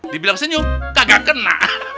dibilang senyum kagak kena